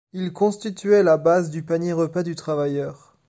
Il constituait la base du panier-repas du travailleur.